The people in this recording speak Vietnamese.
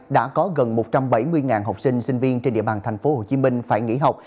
đã có gần một trăm bảy mươi học sinh sinh viên trên địa bàn tp hcm phải nghỉ học